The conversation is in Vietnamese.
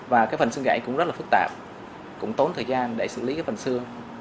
và phần xương gãy cũng rất là phức tạp cũng tốn thời gian để xử lý phần xương